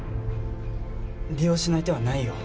利用しない手はないよ。